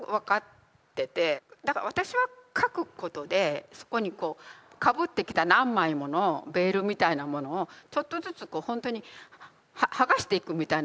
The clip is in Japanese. だから私は書くことでそこにかぶってきた何枚ものベールみたいなものをちょっとずつこうほんとに剥がしていくみたいな作業があって。